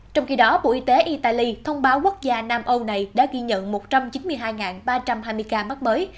trong khi đó bộ y tế italy thông báo quốc gia nam âu này đã ghi nhận một trăm chín mươi hai ba trăm hai mươi ca mắc mới